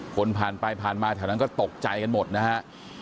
คนผ่านไปผ่านมาแถวนั้นก็ตกใจกันหมดนะฮะ